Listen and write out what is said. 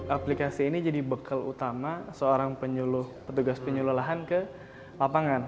aplikasi ini jadi bekal utama seorang petugas penyuluh lahan ke lapangan